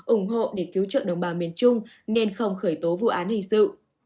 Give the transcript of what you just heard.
ủng hộ để cứu trợ đồng bào miền trung nên không khởi tố vụ án hình sự